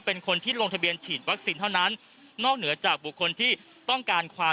เป็นคนที่ลงทะเบียนฉีดวัคซีนเท่านั้นนอกเหนือจากบุคคลที่ต้องการความ